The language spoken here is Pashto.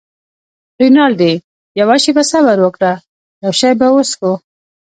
رینالډي: یوه شیبه صبر وکړه، یو شی به وڅښو.